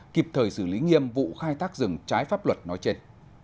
kịp thời xử lý nghiêm vụ khai thác rừng trái pháp luật nói trên